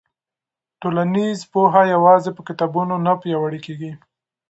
ټولنیز پوهه یوازې په کتابونو نه پیاوړې کېږي.